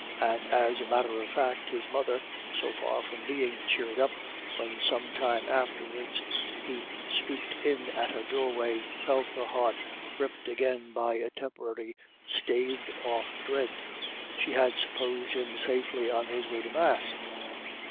And, as a matter of fact, his mother, so far from being cheered up 172 IRISH IDYLLS. when some time afterwards he stooped in at her doorway, felt her heart gripped again by a tempo rarily staved oflf dread. She had supposed him safely on his way to Mass.